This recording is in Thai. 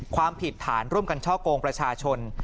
ความผิดฐานร่วมกันช่อกงประชาชน